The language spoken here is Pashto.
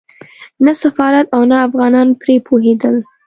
نه سفارت او نه افغانان پرې پوهېدل.